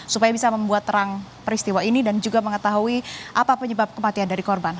supaya bisa membuat terang peristiwa ini dan juga mengetahui apa penyebab kematian dari korban